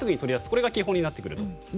これが基本になってくると。